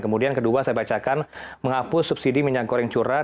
kemudian kedua saya bacakan menghapus subsidi minyak goreng curah